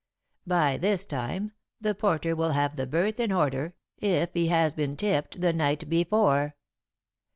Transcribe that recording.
By this time, the porter will have the berth in order, if he has been tipped the night before.'"